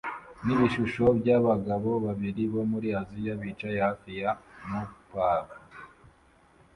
Nibishusho byabagabo babiri bo muri Aziya bicaye hafi ya mop-pad